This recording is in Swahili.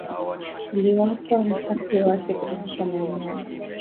iliwapa nafasi waasi kurudisha maeneo